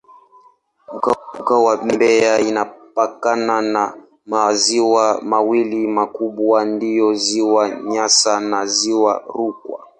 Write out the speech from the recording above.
Mkoa wa Mbeya inapakana na maziwa mawili makubwa ndiyo Ziwa Nyasa na Ziwa Rukwa.